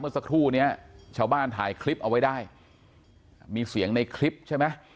สักครู่เนี้ยชาวบ้านถ่ายคลิปเอาไว้ได้มีเสียงในคลิปใช่ไหม